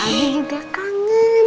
abi juga kangen